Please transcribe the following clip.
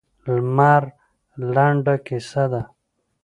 لمر لنډه کیسه ده.